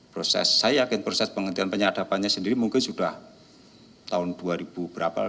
proses saya yakin proses penghentian penyadapannya sendiri mungkin sudah tahun dua ribu berapa lah